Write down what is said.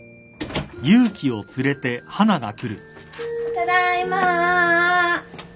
ただいま。